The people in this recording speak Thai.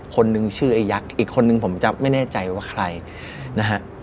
คนนึงชื่อไอ้ยักษ์อีกคนนึงผมจะไม่แน่ใจว่าใครนะฮะ